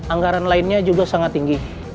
anggaran lainnya juga sangat tinggi